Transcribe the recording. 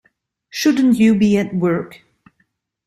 Shouldn't you be at work?